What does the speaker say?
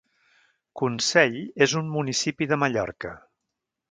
Consell és un municipi de Mallorca.